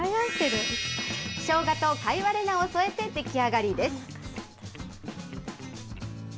しょうがと貝割れ菜を添えて出来上がります。